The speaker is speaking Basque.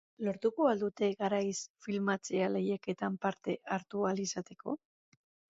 Lortuko al dute garaiz filmatzea lehiaketan parte hartu ahal izateko?